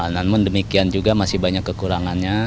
namun demikian juga masih banyak kekurangannya